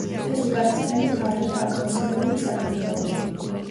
ეს უკანასკნელი ფართოდაა გავრცელებული საქართველოში.